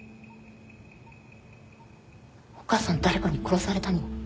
お母さん誰かに殺されたの？